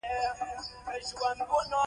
زړه د وفا پر لور روان وي.